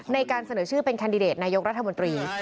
ในการเสนอชื่อเป็นแคนดิเดตนายกรัฐมนตรี